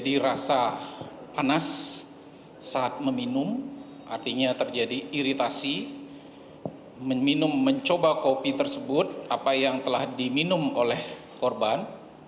dirasa panas saat meminum artinya terjadi iritasi mencoba kopi tersebut apa yang telah diminum oleh korban